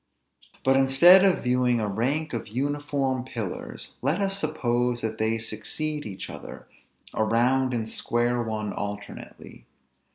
But instead of viewing a rank of uniform pillars, let us suppose that they succeed each other, a round and a square one alternately.